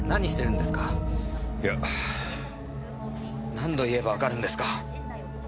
何度言えばわかるんですか。